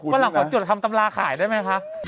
บางคนคนจวดทำตำราขายได้ไหมคะ